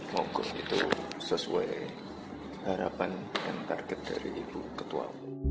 moga itu sesuai harapan dan target dari ibu ketua